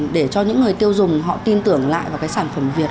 để cho những người tiêu dùng họ tin tưởng lại vào cái sản phẩm việt